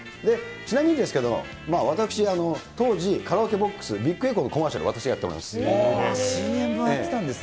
ちなみにですけど、私、当時、カラオケボックス、ビックエコーのコマーシャル、僕がやってたんです。